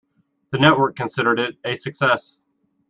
The network considered it a success.